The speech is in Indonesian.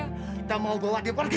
kita mau bawa dia pergi